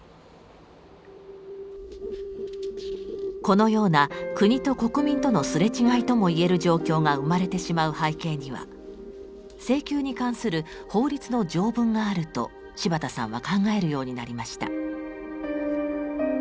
このような国と国民とのすれ違いとも言える状況が生まれてしまう背景には請求に関する法律の条文があると柴田さんは考えるようになりました。